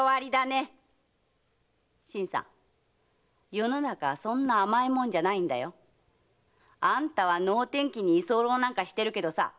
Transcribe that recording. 世の中そんな甘いもんじゃないんだよ。あんたは能天気に居候なんかしてるけどさ